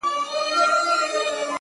• که سهار وو که ماښام جګړه توده وه ,